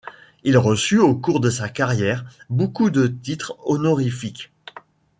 Il reçut au cours de sa carrière beaucoup de titres honorifiques.